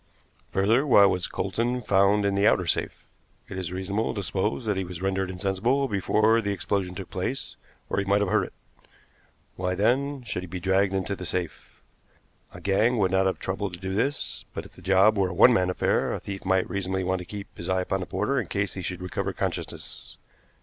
Further, why was Coulsdon found in the outer safe? It is reasonable to suppose that he was rendered insensible before the explosion took place, or he might have heard it. Why, then, should he be dragged into the safe? A gang would not have troubled to do this, but, if the job were a one man affair, the thief might reasonably want to keep his eye upon the porter in case he should recover consciousness.